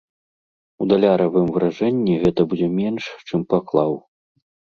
У даляравым выражэнні гэта будзе менш, чым паклаў.